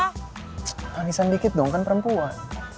ck manisan dikit dong kan perempuan